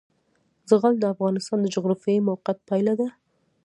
زغال د افغانستان د جغرافیایي موقیعت پایله ده.